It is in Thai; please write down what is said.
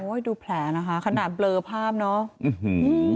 คุณมองดูแผลนะคะขนาดเบลอภาพเนาะ